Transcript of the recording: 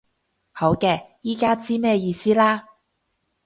好嘅，依家知咩意思啦